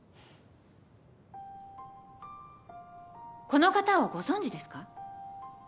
この方をご存じですか？